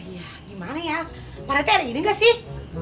ya gimana ya pak rete ada janjinya ga sih